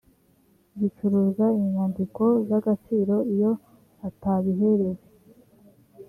gicuruza inyandiko z agaciro iyo atabiherewe